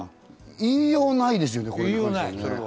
いいようがないですよね。